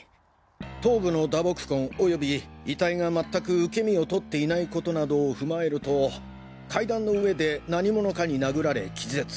頭部の打撲痕及び遺体が全く受け身を取っていないことなどを踏まえると階段の上で何者かに殴られ気絶。